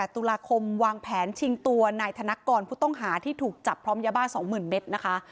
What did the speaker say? ตุลาคมวางแผนชิงตัวนายธนกรผู้ต้องหาที่ถูกจับพร้อมยาบ้า๒๐๐๐เมตรนะคะ